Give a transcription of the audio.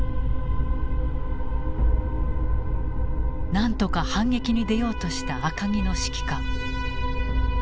なんとか反撃に出ようとした赤城の指揮官。